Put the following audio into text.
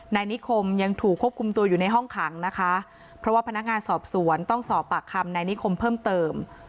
นายนิคมยังถูกควบคุมตัวอยู่ในห้องขังนะคะเพราะว่าพนักงานสอบสวนต้องสอบปากคำนายนิคมเพิ่มเติม